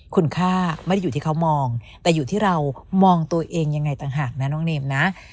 คุณค่าไม่ได้อยู่ที่เขามองแต่อยู่ที่เรามองตัวเองยังไงต่างหากนะน้องเนมนะ